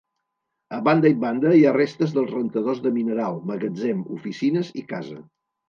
A banda i banda hi ha restes dels rentadors de mineral, magatzem, oficines i casa.